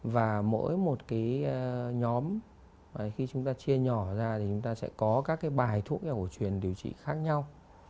và mỗi một cái nhóm khi chúng ta chia nhỏ ra thì chúng ta sẽ có các cái bài thuốc cổ truyền điều trị khác nhau